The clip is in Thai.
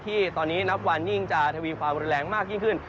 ที่ตอนนี้นับวันยิ่งจะทวีความรุนแรงมากยิ่งขึ้น